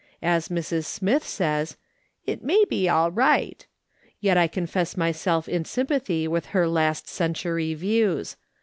As Mrs. Smith says, " It may be all right," yet I confess myself in sympathy with her last century views.